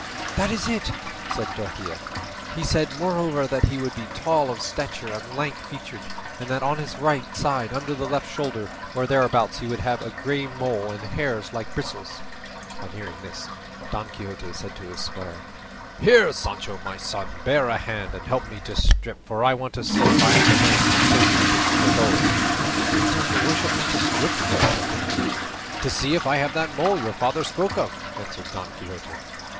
"That is it," said Dorothea; "he said, moreover, that he would be tall of stature and lank featured; and that on his right side under the left shoulder, or thereabouts, he would have a grey mole with hairs like bristles." On hearing this, Don Quixote said to his squire, "Here, Sancho my son, bear a hand and help me to strip, for I want to see if I am the knight that sage king foretold." "What does your worship want to strip for?" said Dorothea. "To see if I have that mole your father spoke of," answered Don Quixote.